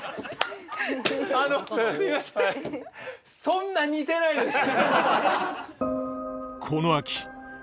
そんな似てないです。